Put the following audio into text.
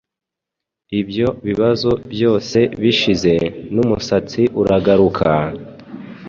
ibyo bibazo byose bishize n’umusatsi uragaruka,